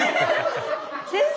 ⁉先生